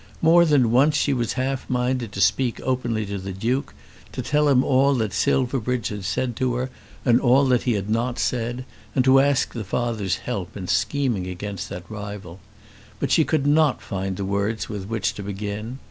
More than once she was half minded to speak openly to the Duke, to tell him all that Silverbridge had said to her and all that he had not said, and to ask the father's help in scheming against that rival. But she could not find the words with which to begin.